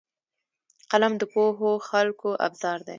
قلم د پوهو خلکو ابزار دی